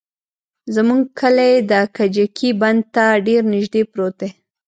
زموږ کلى د کجکي بند ته ډېر نژدې پروت دى.